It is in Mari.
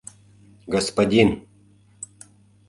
— Господин!